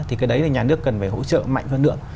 thì cái đấy là nhà nước cần phải hỗ trợ mạnh hơn nữa